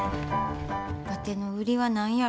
わての売りは何やろか？